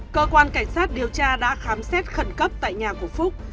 cơ quan cảnh sát điều tra đã khám xét khẩn cấp tại nhà của phúc